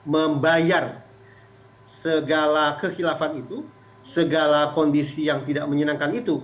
membayar segala kehilafan itu segala kondisi yang tidak menyenangkan itu